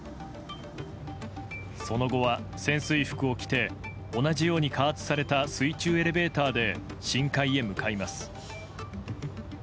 その後は潜水服を着て同じように加圧された水中エレベーターで深海へ向かいます。